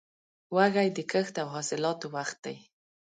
وږی د کښت او حاصلاتو وخت دی.